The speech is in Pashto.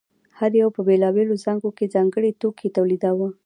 هر یوه په بېلابېلو څانګو کې ځانګړی توکی تولیداوه